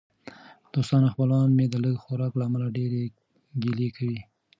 دوستان او خپلوان مې د لږ خوراک له امله ډېرې ګیلې کوي.